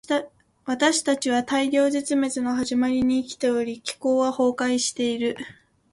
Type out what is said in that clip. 私たちは大量絶滅の始まりに生きており、気候は崩壊している。